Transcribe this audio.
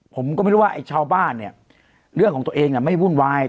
ผมก็ไม่รู้ว่าไอ้ชาวบ้านเนี่ยเรื่องของตัวเองไม่วุ่นวาย